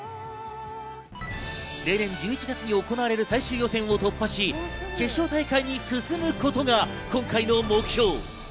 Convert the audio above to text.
例年１１月に行われる最終予選を突破し、決勝大会に進むことが今回の目標。